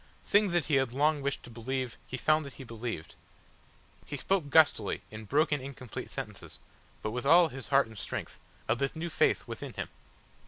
Things that he had long wished to believe, he found that he believed. He spoke gustily, in broken incomplete sentences, but with all his heart and strength, of this new faith within him.